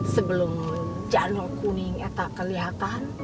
sebelum januarku ini eh tak kelihatan